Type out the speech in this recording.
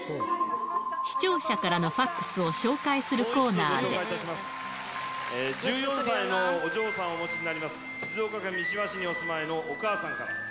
視聴者からのファックスを紹１４歳のお嬢さんをお持ちになります、静岡県三島市にお住まいのお母さんから。